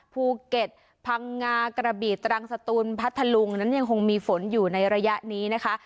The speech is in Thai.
ภูเก็ตพังงากระบีตรังสตูนพัทธลุงนั้นยังคงมีฝนอยู่ในระยะนี้นะคะ